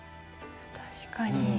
確かに。